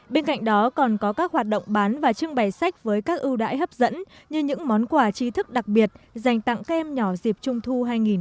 bên cạnh đó còn có các hoạt động bán và trưng bày sách với các ưu đãi hấp dẫn như những món quà trí thức đặc biệt dành tặng các em nhỏ dịp trung thu hai nghìn một mươi chín